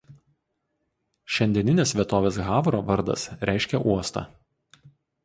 Šiandieninės vietovės Havro vardas reiškia "uostą".